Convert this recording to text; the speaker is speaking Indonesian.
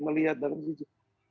melihat dalam sisi